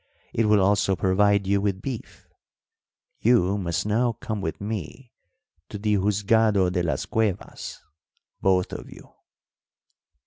It will also provide you with beef. You must now come with me to the Juzgado de las Cuevas, both of you."